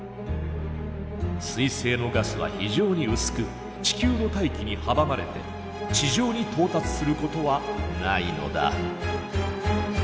彗星のガスは非常に薄く地球の大気に阻まれて地上に到達することはないのだ。